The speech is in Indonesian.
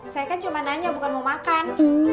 saya kan cuma nanya bukan mau makan